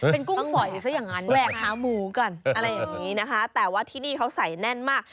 เป็นกุ้งสอยซักอย่างนั้นนะครับอะไรอย่างนี้นะคะแต่ว่าที่นี่เขาใส่แน่นมาก